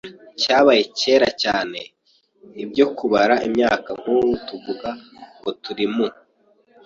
cyabaye kera cyane Ibyo kubara imyaka nk uku tuvuga ngo turi mu